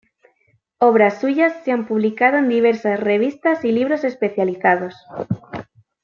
Obras suyas se han publicado en diversas revistas y libros especializados.